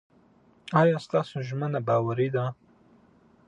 ایا ستاسو ژمنه باوري ده؟